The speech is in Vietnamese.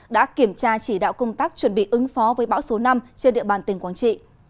đã kiểm tra chỉ đạo công tác chuẩn bị ứng phó với bão số năm trên địa bàn tỉnh quảng trị